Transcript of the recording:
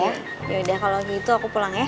yaudah kalo gitu aku pulang ya